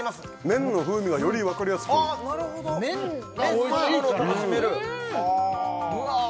麺の風味がよりわかりやすく麺そのものを楽しめるはあ